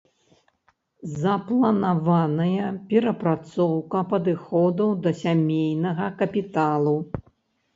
Запланаваная перапрацоўка падыходаў да сямейнага капіталу.